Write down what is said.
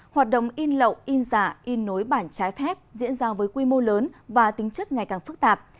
hoạt động in lậu in giả in nối bản trái phép diễn ra với quy mô lớn và tính chất ngày càng phức tạp